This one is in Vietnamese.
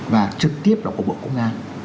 và trực tiếp là của bộ công an